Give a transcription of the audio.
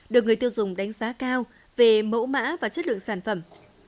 được người tiêu dùng đánh giá cao về mẫu mã và chất lượng sản phẩm